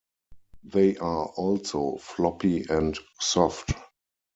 They are also floppy and soft.